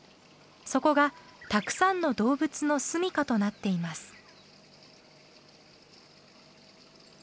そこがたくさんの動物の住みかとなっています。